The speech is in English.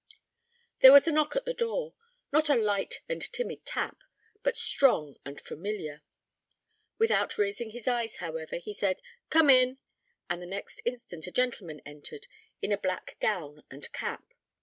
There was a knock at the door; not a light and timid tap, but strong and familiar. Without raising his eyes, however, he said, "Come in," and the next instant a gentleman entered, in a black gown and cap.